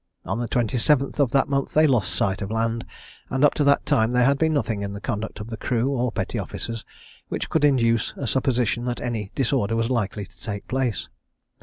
On the 27th of that month they lost sight of land; and up to that time there had been nothing in the conduct of the crew or petty officers which could induce a supposition that any disorder was likely to take place.